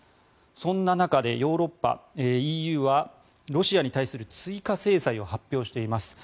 そんな中でヨーロッパ、ＥＵはロシアに対する追加制裁を発表しています。